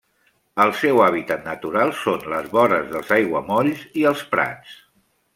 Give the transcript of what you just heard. El seu hàbitat natural són les vores dels aiguamolls i els prats.